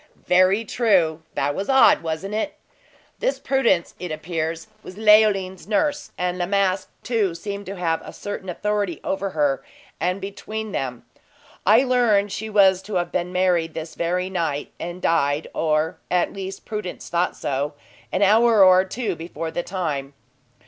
"Very true! That was odd wasn't it? This Prudence, it appears, was Leoline's nurse, and La Masque, too, seemed to have a certain authority over her; and between them, I learned she was to have been married this very night, and died or, at least, Prudence thought so an hour or two before the time."